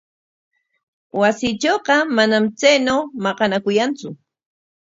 Wasiitrawqa manam chaynaw maqanakuyantsu.